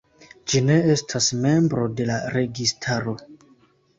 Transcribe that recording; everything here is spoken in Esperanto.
Ĝi ne estas membro de la registaro.